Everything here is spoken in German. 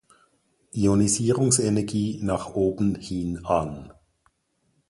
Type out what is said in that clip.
Ionisierungsenergie nach oben hin an.